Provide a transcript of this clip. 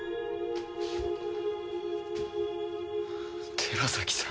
寺崎さん。